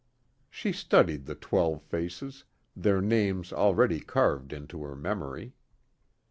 She studied the twelve faces, their names already carved into her memory.